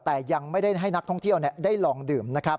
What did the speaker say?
แต่ยังไม่ได้ให้นักท่องเที่ยวได้ลองดื่มนะครับ